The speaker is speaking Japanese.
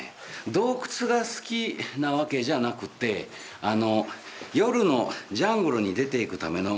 洞窟が好きなわけじゃなくて夜のジャングルに出て行くための夜待ちですよね。